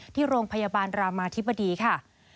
ที่โรงพยาบาลรามาธิบดีค่ะ